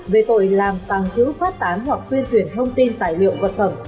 về tội làm tàng trữ phát tán hoặc tuyên truyền thông tin tài liệu vật phẩm